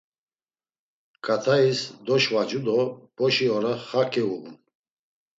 Ǩat̆ais, doşvacu do boşi ora xaǩi uğun.